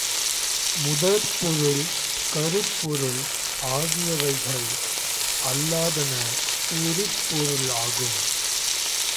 முதற்பொருள், கருப்பொருள் ஆகியவைகள் அல்லாதன உரிப்பொருகளாகும்.